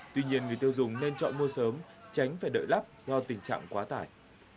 tuy nhiên người tiêu dùng nên chọn mua sớm tránh phải đợi lắp do tình trạng quá tải